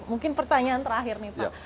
mungkin pertanyaan terakhir nih pak